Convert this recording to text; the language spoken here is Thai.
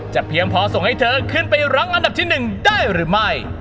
เพียงพอส่งให้เธอขึ้นไปรั้งอันดับที่๑ได้หรือไม่